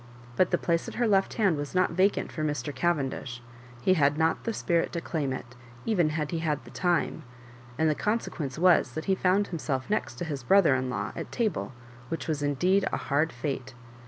But the place at her left hand was not left vacant for Mr. Cavendish ; he had not the spirit to claim it, even had he had the time ; and the consequence was that he found himself next to his brother in law at table, which was indeed a hard fate.